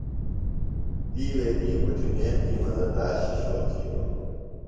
تِیوے تی بُٹھمیم دی مزہ دار شِشو تِھیلوۡ۔